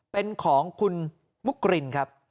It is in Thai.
เป็นของคุณมุกรินครับ